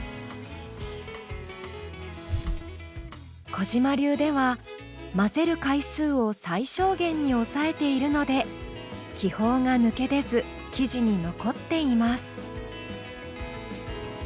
小嶋流では混ぜる回数を最小限に抑えているので気泡が抜け出ず生地に残っています。